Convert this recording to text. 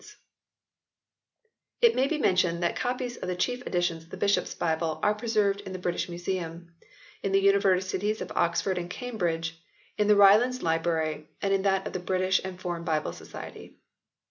v] THREE RIVAL VERSIONS 91 It may be mentioned that copies of the chief editions of the Bishops Bible are preserved in the British Museum, in the Universities of Oxford and Cambridge, in the Rylands Library, and in that of the British and Foreign Bible Society.